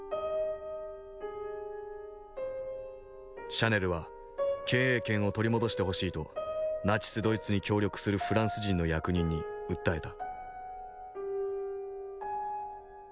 シャネルは経営権を取り戻してほしいとナチス・ドイツに協力するフランス人の役人に訴えた。